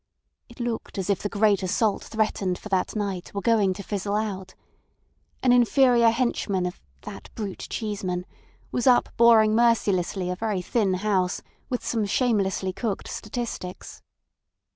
It looked as if the great assault threatened for that night were going to fizzle out. An inferior henchman of "that brute Cheeseman" was up boring mercilessly a very thin House with some shamelessly cooked statistics.